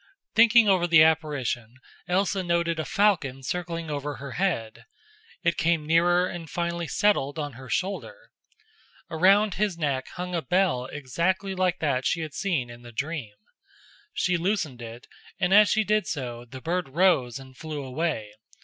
Thinking over the apparition Elsa noted a falcon circling over her head. It came nearer and finally settled on her shoulder. Around his neck hung a bell exactly like that she had seen in the dream. She loosened it, and as she did so the bird rose and flew away.